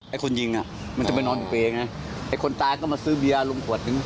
ไอ้คนยิงอ่ะมันจะไปนอนเปลี่ยงนะไอ้คนตายก็มาซื้อเบียลุงหัวนึง